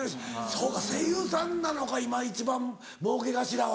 そうか声優さんなのか今一番もうけ頭は。